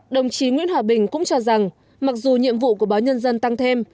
đồng chí nguyễn hòa bình cũng cho rằng mặc dù nhiệm vụ của báo nhân dân tăng thêm